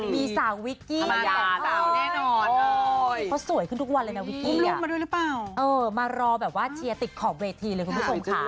ใครมันธรรมดาสาวแน่นอนเลยเพราะสวยขึ้นทุกวันเลยนะวิกกี้มารอแบบว่าเชียร์ติดขอบเวทีเลยคุณผู้ชมค่ะ